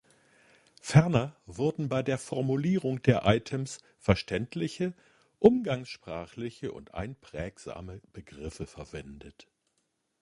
Ferner wurden bei der Formulierung der Items verständliche, umgangssprachliche und einprägsame Begriffe verwendet.